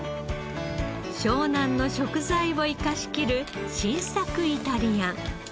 湘南の食材を生かし切る新作イタリアン。